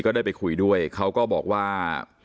ได้ไปคุยด้วยเขาก็บอกว่า